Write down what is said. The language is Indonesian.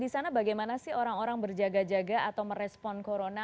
di sana bagaimana sih orang orang berjaga jaga atau merespon corona